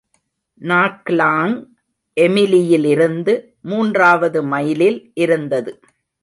நாக்லாங் எமிலியிலிருந்து மூன்றாவது மைலில் இருந்தது.